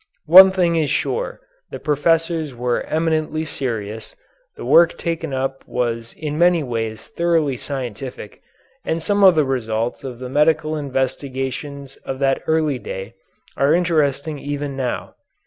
One thing is sure, the professors were eminently serious, the work taken up was in many ways thoroughly scientific, and some of the results of the medical investigations of that early day are interesting even now.